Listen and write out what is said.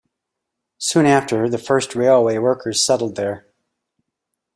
Soon after, the first railway workers settled there.